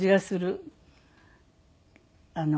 あの。